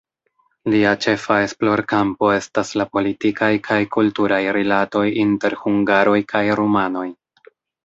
Lia ĉefa esplorkampo estas la politikaj kaj kulturaj rilatoj inter hungaroj kaj rumanoj.